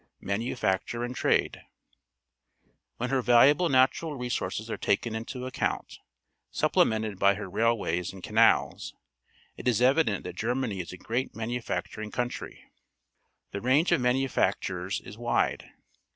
Manufacture and Trade. — When her valu able naiural_r esources are taken into ac count, supplemented by her railw ays and canals, it is evident that Germany is a great manufacturing country. The range of manufactures is wide.